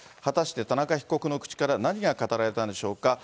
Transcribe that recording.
はたして田中被告の口から何が語られたのでしょうか。